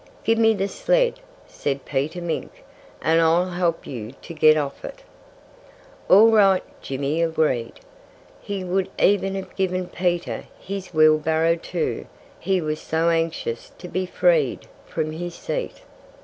"Give me the sled," said Peter Mink, "and I'll help you to get off it." "All right," Jimmy agreed. He would even have given Peter his wheelbarrow, too, he was so anxious to be freed from his seat.